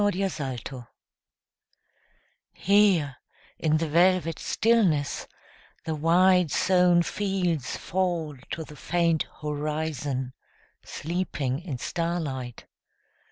THE INDIA WHARF HERE in the velvet stillness The wide sown fields fall to the faint horizon, Sleeping in starlight.